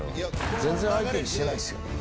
全然相手にしてないっすよ。